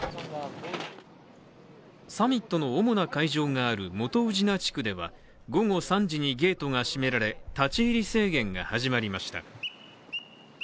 サミットの主な会場がある元宇品地区では午後３時にゲートが閉められ、立ち入り制限が始まりました。